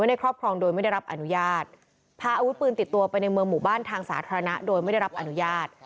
ในครอบครองโดยไม่ได้รับอนุญาตพาอาวุธปืนติดตัวไปในเมืองหมู่บ้านทางสาธารณะโดยไม่ได้รับอนุญาต